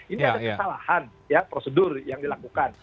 ini ada kesalahan prosedur yang dilakukan